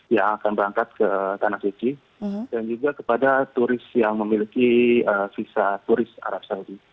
yang akan berangkat ke tanah suci dan juga kepada turis yang memiliki visa turis arab saudi